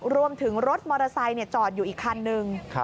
รถมอเตอร์ไซค์จอดอยู่อีกคันนึง